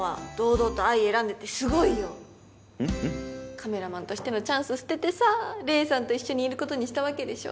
カメラマンとしてのチャンス捨ててさ黎さんと一緒にいることにしたわけでしょ？